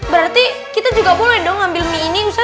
berarti kita juga boleh dong ngambil mie ini